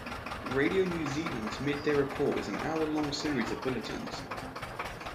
Radio New Zealand's Midday Report is an hour-long series of bulletins.